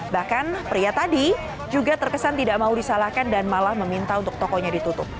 bahkan pria tadi juga terkesan tidak mau disalahkan dan malah meminta untuk tokonya ditutup